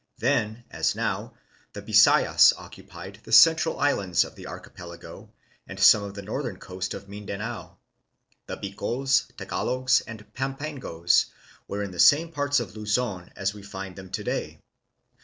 Then, as now, the Bisayas occupied the central islands of the archipelago and some of the northern coast of Mindanao. The Bikols, Tagalogs, and Pampangos were in the same parts of Luzon as we find them to day.